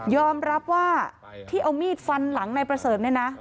อมรับว่าที่เอามีดฟันหลังนายประเสริฐเนี่ยนะ